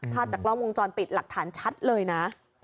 ภาพจากกล้องวงจรปิดหลักฐานชัดเลยนะ